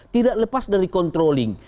tidak lepas dari controlling